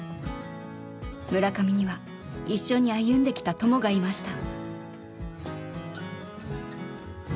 村上には一緒に歩んできた「戦友」がいました。